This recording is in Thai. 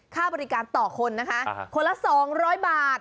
ค่าบริการต่อคนนะคะคนละ๒๐๐บาท